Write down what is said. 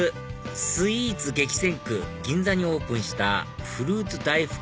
スイーツ激戦区銀座にオープンしたフルーツ大福